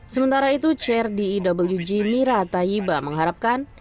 sementara itu chair diwg mira tayiba mengharapkan